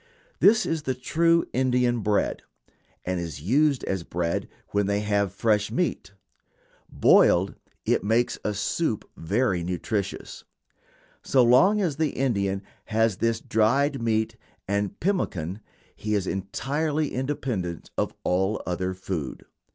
This is the true Indian bread, and is used as bread when they have fresh meat. Boiled, it makes a soup very nutritious. So long as the Indian has this dried meat and pemmican he is entirely independent of all other food.